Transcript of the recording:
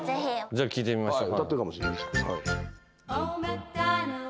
じゃあ聴いてみましょう。